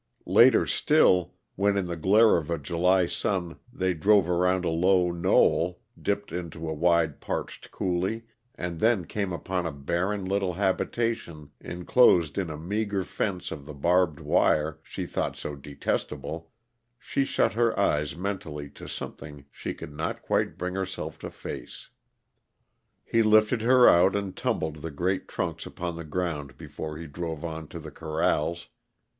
Later still, when in the glare of a July sun they drove around a low knoll, dipped into a wide, parched coulee, and then came upon a barren little habitation inclosed in a meager fence of the barbed wire she thought so detestable, she shut her eyes mentally to something she could not quite bring herself to face. He lifted her out and tumbled the great trunks upon the ground before he drove on to the corrals.